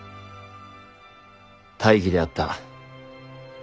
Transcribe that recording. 大儀であった。